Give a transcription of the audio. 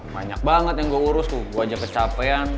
banyak banget yang gue urus tuh gue aja kecapean